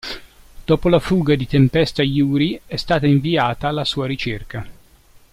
Dopo la fuga di Tempesta Yuri è stata inviata alla sua ricerca.